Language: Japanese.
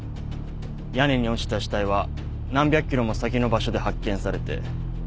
屋根に落ちた死体は何百キロも先の場所で発見されて犯行現場が特定できない。